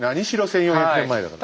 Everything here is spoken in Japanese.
１，４００年前だから。